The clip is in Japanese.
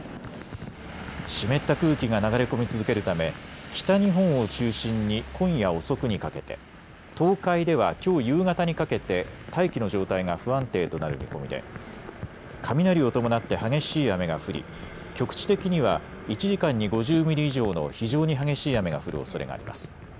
湿った空気が流れ込み続けるため北日本を中心に今夜遅くにかけて、東海ではきょう夕方にかけて大気の状態が不安定となる見込みで雷を伴って激しい雨が降り局地的には１時間に５０ミリ以上の非常に激しい雨が降るおそれがあります。